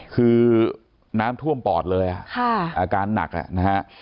คือน้ำท่วมปอดเลยอาการหนักนะฮะ